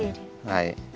はい。